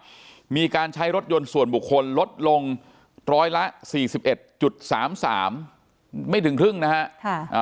ก็มีการใช้รถยนต์ส่วนบุคคลลดลงร้อยละ๔๑๓๓ไม่ถึงครึ่งนะฮะ